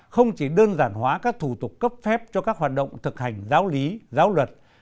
không chỉ đơn giản hóa các thủ tục cấp phép cho các hoạt động thực hành giáo lý giáo luật